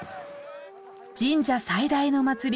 神社最大の祭り